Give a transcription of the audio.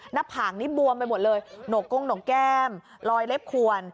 หน้าผากนี้บวมไปหมดเลยหนกก้งหนกแก้มลอยเล็บขวน